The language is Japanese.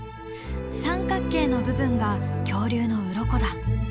三角形の部分が恐竜のウロコだ。